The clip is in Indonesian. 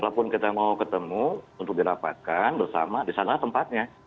walaupun kita mau ketemu untuk dirapatkan bersama di sana tempatnya